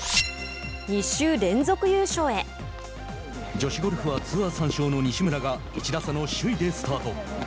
女子ゴルフツアーは３勝の西村が１打差の首位でスタート。